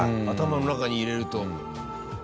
頭の中に入れると。